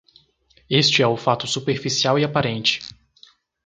Este é o fato superficial e aparente.